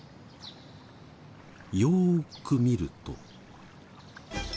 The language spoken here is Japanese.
よーく見ると。